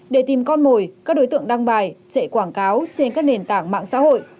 để tìm con mồi các đối tượng đăng bài chạy quảng cáo trên các nền tảng mạng xã hội